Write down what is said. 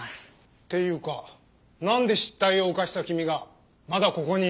っていうかなんで失態を犯した君がまだここにいる？